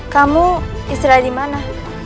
kamu istirahat di mana